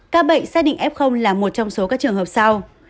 các bệnh xác định f là một trong số các trường hợp sau